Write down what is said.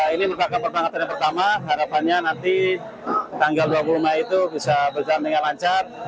ini merupakan pertandingan pertama harapannya nanti tanggal dua puluh mei itu bisa berjalan dengan lancar